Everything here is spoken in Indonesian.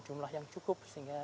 jumlah yang cukup sehingga